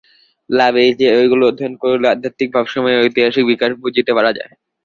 লাভ এই যে, ঐগুলি অধ্যয়ন করিলে আধ্যাত্মিক ভাবসমূহের ঐতিহাসিক বিকাশ বুঝিতে পারা যায়।